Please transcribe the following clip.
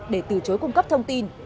để từ chối cung cấp thông tin